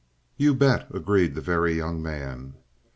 "You bet!" agreed the Very Young Man.